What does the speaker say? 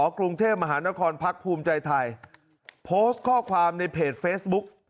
กรุงเทพมหานครพักภูมิใจไทยโพสต์ข้อความในเพจเฟซบุ๊ก